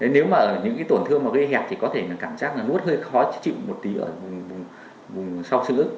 nếu mà ở những tổn thương gây hẹp thì có thể cảm giác nuốt hơi khó chịu một tí ở vùng sau sương ức